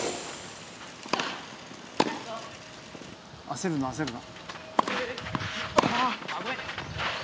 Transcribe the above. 焦るな焦るな。